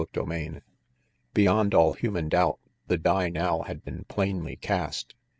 CHAPTER IX c BEYOND all human doubt, the die now had been plainly cast.